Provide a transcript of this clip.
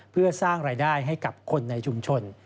เพื่อสร้างรายได้ให้กับคนในชุมชน